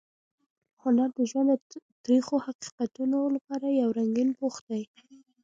هنر د ژوند د تریخو حقیقتونو لپاره یو رنګین پوښ دی.